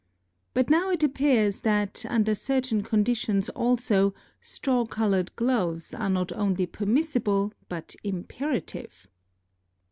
But it now appears that, under certain conditions also, straw colored gloves are not only permissible, but imperative.